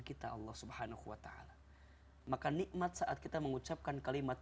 kita allah subhanahu wa ta'ala makan nikmat saat kita mengucapkan kalimat